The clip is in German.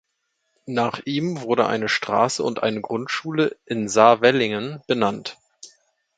Nach ihm wurden eine Straße und eine Grundschule in Saarwellingen benannt.